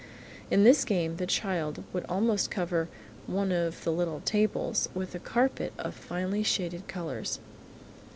In this game the child would almost cover one of the little tables with a carpet of finely shaded colours.